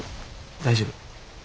大丈夫。